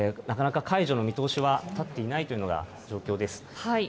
なかなか解除の見通しは立っていないという状況です。